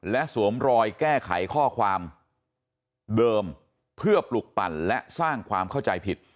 และสวมรอยแก้ไขข้อความเดิมเพื่อปลุกปั่นและสร้างความเข้าใจผิด